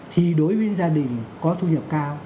thì đối với gia đình có thu nhập cao